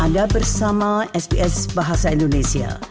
anda bersama sps bahasa indonesia